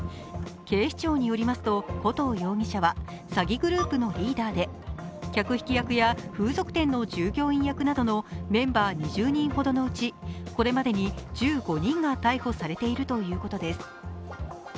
警視庁によりますと古藤容疑者は詐欺グループのリーダーで客引き役や風俗店の従業員役などのメンバー２０人ほどのうちこれまでに１５人が逮捕されているということです。